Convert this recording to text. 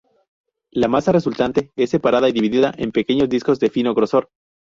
La masa resultante es separada y dividida en pequeños discos de fino grosor.